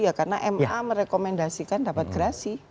ya karena ma merekomendasikan dapat gerasi